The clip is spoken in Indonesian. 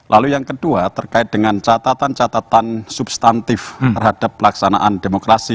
lalu yang kedua terkait dengan catatan catatan substantif terhadap pelaksanaan demokrasi